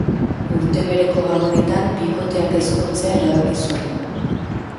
Urte bereko Gabonetan bikoteak ezkontzea erabaki zuen.